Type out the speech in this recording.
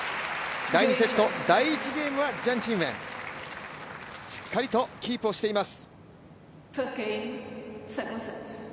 第２セット、第１ゲームはジャン・チンウェンしっかりとキープしています。